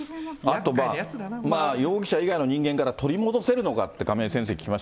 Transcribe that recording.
あと、容疑者以外の人間から取り戻せるのかっていうことを亀井先生に聞